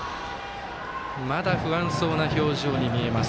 まだ不安そうな表情に見えます。